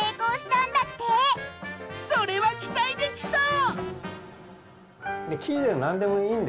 それは期待できそう！